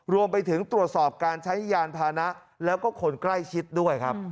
รวมไปถึงตรวจสอบการใช้ยานพานะแล้วก็คนใกล้ชิดด้วยครับ